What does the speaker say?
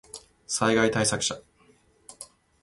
災害対策車